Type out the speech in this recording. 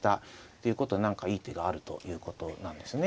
ということは何かいい手があるということなんですね。